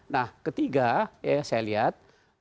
nah ketiga ya saya lihat